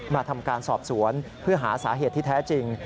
มาทำการสอบสวนเพื่อหาสาเหตุที่แท้จริง